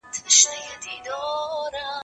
ما د سبا لپاره د ژبي تمرين کړی دی!!